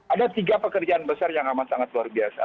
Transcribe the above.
ada tiga pekerjaan besar yang amat sangat luar biasa